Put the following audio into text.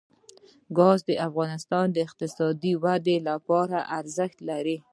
ګاز د افغانستان د اقتصادي ودې لپاره ارزښت لري.